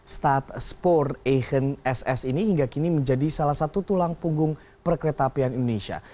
start sport asian ss ini hingga kini menjadi salah satu tulang punggung perkereta apian indonesia